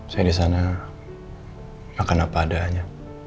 saya disana makan apa adanya